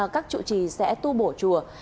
các chủ trì sẽ tu bổ chùa